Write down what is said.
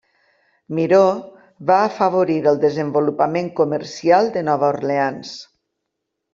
Miró va afavorir el desenvolupament comercial de Nova Orleans.